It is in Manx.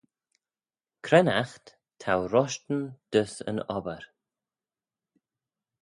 Cre'n aght t'ou roshtyn dys yn obbyr?